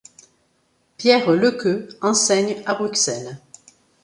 Pierre Lekeux enseigne à Bruxelles.